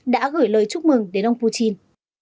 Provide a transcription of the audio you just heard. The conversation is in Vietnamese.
đã gửi lời chúc mừng đến ông putin